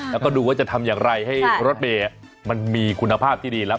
แล้วก็ดูว่าจะทำอย่างไรให้รถเมย์มันมีคุณภาพที่ดีแล้ว